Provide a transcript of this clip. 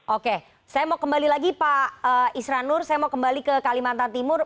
oke saya mau kembali lagi pak isranur saya mau kembali ke kalimantan timur